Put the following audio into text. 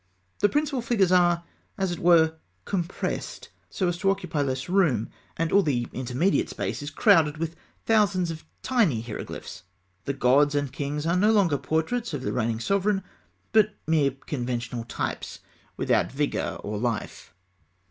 The principal figures are, as it were, compressed, so as to occupy less room, and all the intermediate space is crowded with thousands of tiny hieroglyphs. The gods and kings are no longer portraits of the reigning sovereign, but mere conventional types without vigour or life.